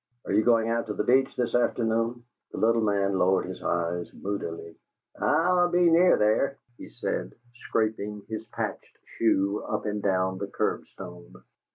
Are you going out to the Beach this afternoon?" The little man lowered his eyes moodily. "I'll be near there," he said, scraping his patched shoe up and down the curbstone.